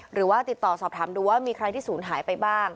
หรือว่าติดต่อสอบถามดูว่ามีใครที่ศูนย์หายไปบ้าง